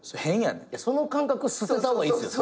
その感覚捨てた方がいいっすよ。